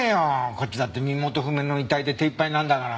こっちだって身元不明の遺体で手いっぱいなんだから。